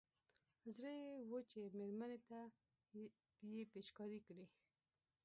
زړه يې و چې مېرمنې ته يې پېچکاري کړي.